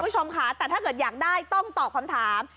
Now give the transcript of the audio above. แต่ถ้าเกิดอยากได้ต้องตอบคำถาม